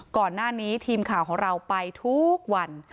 ก่อนหน้านี้ทีมข่าวของเราไปทุกวัน